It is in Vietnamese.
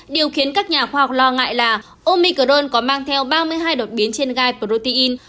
điều khiến các nhà khoa học lo ngại là omicrone có mang theo ba mươi hai đột biến trên gai protein